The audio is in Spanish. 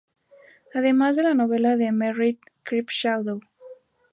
Además de la novela de Merritt "Creep, Shadow!